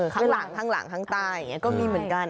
ข้างหลังข้างใต้ก็มีเหมือนกัน